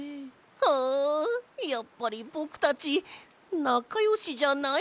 あやっぱりぼくたちなかよしじゃないんじゃない？